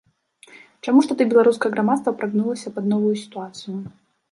Чаму ж тады беларускае грамадства прагнулася пад новую сітуацыю?